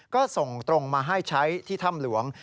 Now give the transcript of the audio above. ก็ส่งตรงมาให้ใช้ที่ถ้ำหลวง